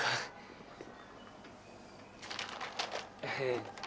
kamu tahu kenapa itu bisa jatuh